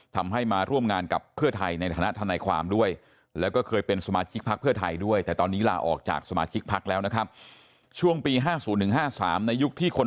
ทำให้มาร่วมงานกับเผื่อไทยในคณะทนายความด้วย